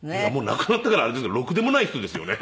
亡くなったからあれですけどろくでもない人ですよね。